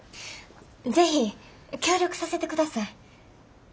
是非協力させてください。